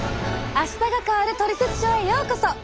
「あしたが変わるトリセツショー」へようこそ！